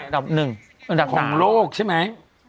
เชียงใหม่อันดับ๑ของโลกใช่ไหม